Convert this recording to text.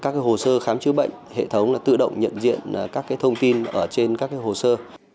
các hồ sơ khám chữa bệnh hệ thống là tự động nhận diện các thông tin ở trên các hồ sơ